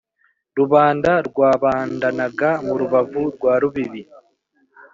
Rubanda rwabandanaga mu rubavu rwa Rubibi,